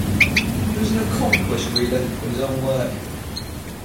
He was an accomplished reader of his own work.